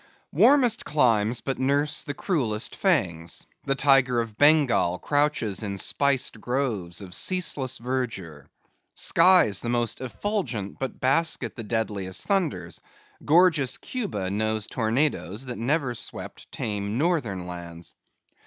Warmest climes but nurse the cruellest fangs: the tiger of Bengal crouches in spiced groves of ceaseless verdure. Skies the most effulgent but basket the deadliest thunders: gorgeous Cuba knows tornadoes that never swept tame northern lands.